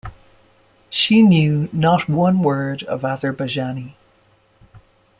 She knew not one word of Azerbaijani.